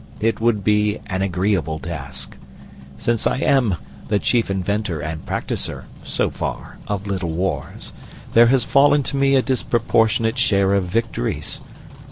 It would be an agreeable task. Since I am the chief inventor and practiser (so far) of Little Wars, there has fallen to me a disproportionate share of victories.